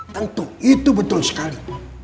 tentu itu betul sekali